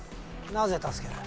なぜ助ける？